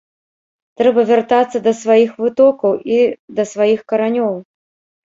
Трэба вяртацца да сваіх вытокаў і да сваіх каранёў.